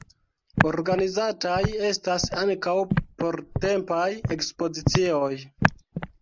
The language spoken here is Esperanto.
Organizataj estas ankaŭ portempaj ekspozicioj.